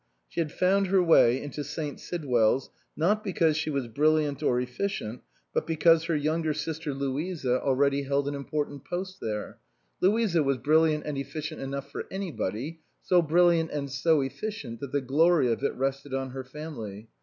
She had found her way into St. Sidwell's, not because she was brilliant or efficient, but because her younger sister Louisa 205 SUPERSEDED already held an important post there. Louisa was brilliant and efficient enough for anybody, so brilliant and so efficient that the glory of it rested on her family.